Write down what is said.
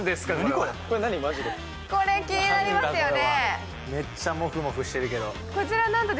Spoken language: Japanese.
これ、気になりますよね。